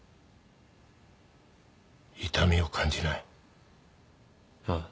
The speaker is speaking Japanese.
痛みを感じない？ああ。